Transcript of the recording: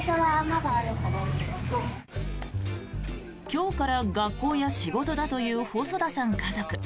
今日から学校や仕事だという細田さん家族。